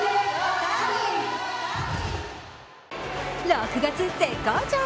６月絶好調！